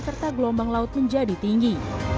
serta gelombang laut menjadi tinggi